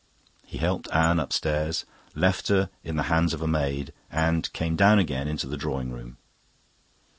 He helped Anne upstairs, left her in the hands of a maid, and came down again to the drawing room.